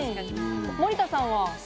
森田さんは？